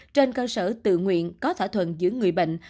trên cơ sở tự nguyện có thỏa thuận giữa người bệnh